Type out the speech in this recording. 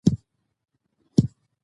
ژبې د افغانستان د صادراتو یوه برخه ده.